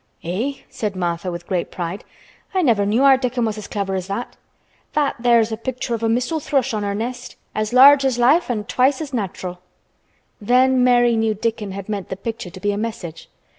"Eh!" said Martha with great pride. "I never knew our Dickon was as clever as that. That there's a picture of a missel thrush on her nest, as large as life an' twice as natural." Then Mary knew Dickon had meant the picture to be a message.